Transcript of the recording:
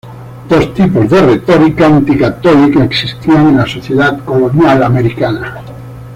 Dos tipos de retórica anticatólica existían en la sociedad colonial americana.